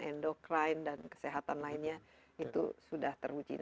endokrine dan kesehatan lainnya itu sudah teruji